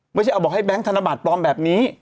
ไม่ใช่บอกให้แบงก์ธนบัตรปลอมแบบนี้